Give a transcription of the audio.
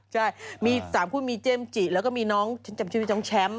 ใช่มี๓คู่มีเจมส์จิแล้วก็มีน้องจำชื่อมีน้องแชมป์